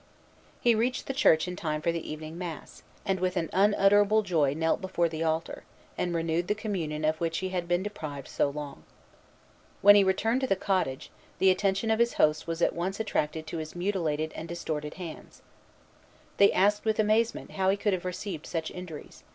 He reached the church in time for the evening mass, and with an unutterable joy knelt before the altar, and renewed the communion of which he had been deprived so long. When he returned to the cottage, the attention of his hosts was at once attracted to his mutilated and distorted hands.